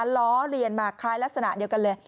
ล้อเลียนมาคล้ายลักษณะเดียวกันเลย